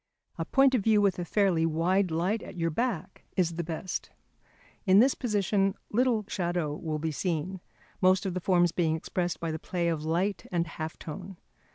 A point of view with a fairly wide light at your back is the best. In this position little shadow will be seen, most of the forms being expressed by the play of light and half tone.